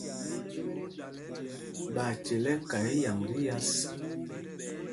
Ɓachyel ɛ́ ka ɛyǎŋ tí yas.